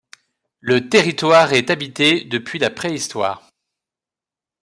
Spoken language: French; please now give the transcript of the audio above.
Le territoire est habité depuis la préhistoire.